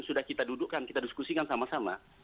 sudah kita dudukkan kita diskusikan sama sama